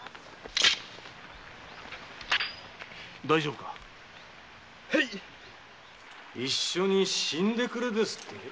大丈夫かへい一緒に死んでくれですって？